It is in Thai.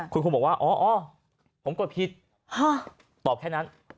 คุณครูบอกว่าอ๋อผมกดผิดตอบแค่นั้น